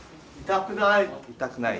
痛くない。